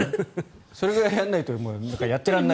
それくらいやらないとやってられない。